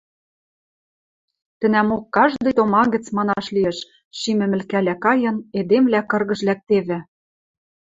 Тӹнӓмок каждый тома гӹц, манаш лиэш, шим ӹмӹлкӓлӓ кайын, эдемвлӓ кыргыж лӓктевӹ.